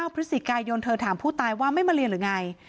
พฤศจิกายนเธอถามผู้ตายว่าไม่มาเรียนหรือไง